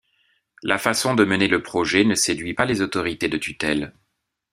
La façon de mener le projet ne séduit pas les autorités de tutelle.